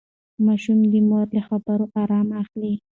ماشوم د مور له خبرې ارام اخلي.